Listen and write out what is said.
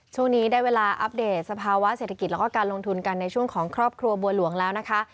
ช่วงนี้ได้เวลาอัปเดตสภาวะเศรษฐกิจแล้วก็การลงทุนกันในช่วงของครอบครัวบัวหลวงแล้วนะคะ